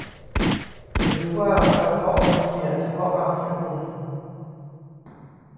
หรือว่าจำเพาะรังเกียจเฉพาะบางสกุล ?